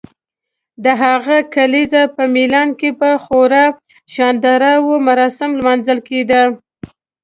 د هغه کلیزه په میلان کې په خورا شاندارو مراسمو لمانځل کیده.